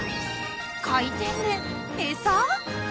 ［回転で餌？］